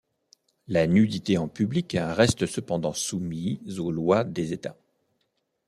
La nudité en public reste cependant soumis aux lois des États.